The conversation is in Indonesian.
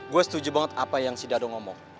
gue setuju banget apa yang si dado ngomong